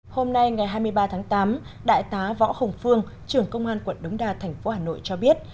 hôm nay ngày hai mươi ba tháng tám đại tá võ hồng phương trưởng công an quận đống đa thành phố hà nội cho biết